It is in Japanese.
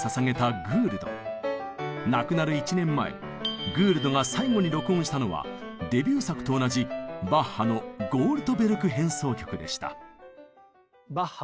亡くなる１年前グールドが最後に録音したのはデビュー作と同じバッハの「ゴールトベルク変奏曲」でした。